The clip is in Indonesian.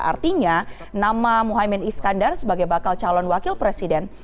artinya nama muhaymin iskandar sebagai bakal calon wakil presiden